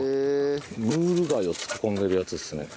ムール貝を突っ込んでるやつですね。